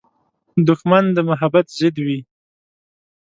دښمن د محبت ضد وي